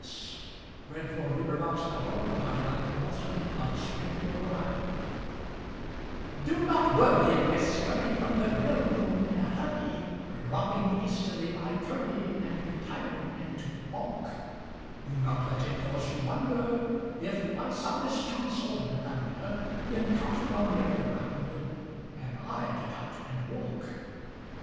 182 SUCH NONSENSE! CUPID'S DARTS (Which are a growing menace to the public) Do not worry if I scurry from the grill room in a hurry, Dropping hastily my curry and re tiring into balk ; Do not let it cause you wonder if, by some mischance or blunder, We encounter on the Underground and I get out and walk.